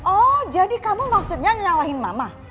oh jadi kamu maksudnya nyalahin mama